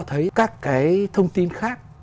thấy các cái thông tin khác